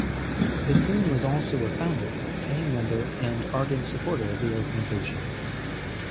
Bethune was also a founder, paying member and ardent supporter of the organization.